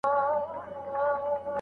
که خاوند دخپلي ميرمني توهين ونکړ.